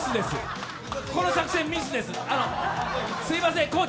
すいません